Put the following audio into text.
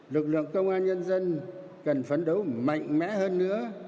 lực lượng công an nhân dân cần phấn đấu mạnh mẽ hơn nữa